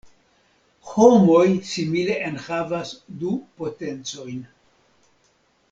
Homoj simile enhavas du potencojn.